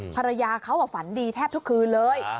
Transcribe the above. ภรรยาเขาฝันดีแทบทุกคืนเลย